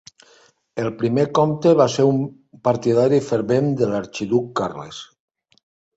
El primer comte va ser un partidari fervent de l'Arxiduc Carles.